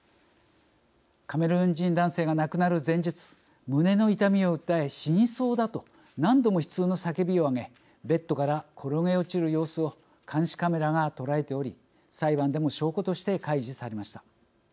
カメルーン人男性が亡くなる前日胸の痛みを訴え「死にそうだ」と何度も悲痛の叫びを上げベッドから転げ落ちる様子を監視カメラが捉えており裁判でも証拠として開示されました。